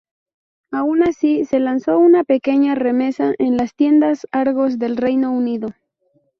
Aun así, se lanzó una pequeña remesa en las tiendas Argos del Reino Unido.